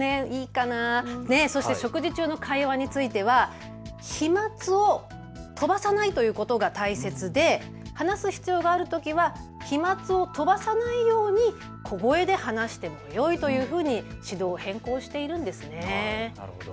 そして食事中の会話については飛まつを飛ばさないということが大切で話す必要があるときは飛まつを飛ばさないように小声で話してもよいというふうに指導を変更しているんです。